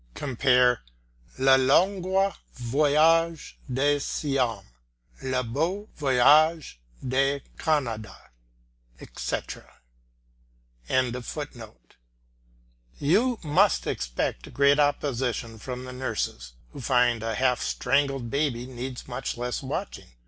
Cf. La Longue Voyage de Siam, Le Beau Voyage de Canada, etc.] You must expect great opposition from the nurses, who find a half strangled baby needs much less watching.